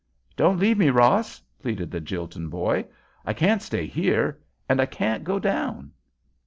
"Don't leave me, Ross," pleaded the Jilton boy. "I can't stay here—and I can't go down."